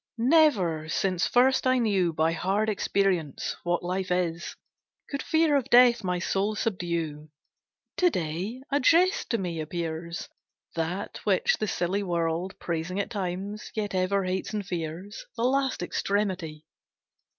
Never, since first I knew By hard experience what life is, Could fear of death my soul subdue. To day, a jest to me appears, That which the silly world, Praising at times, yet ever hates and fears, The last extremity!